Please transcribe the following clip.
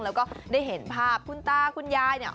แล้วก็ได้เห็นภาพคุณตาคุณยายเนี่ย